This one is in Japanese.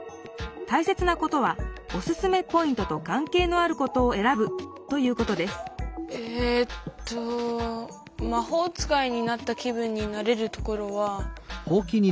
大切なことは「おすすめポイント」とかんけいのあることをえらぶということですえっと「まほう使いになった気分になれるところ」は。